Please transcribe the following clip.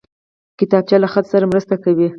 کتابچه له خط سره مرسته کوي